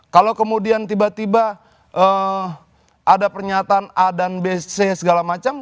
kalau kemudian tiba tiba ada pernyataan a dan b c segala macam